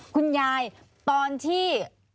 คุณยายตอนที่